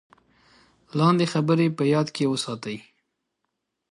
لاندې خبرې په یاد کې وساتئ: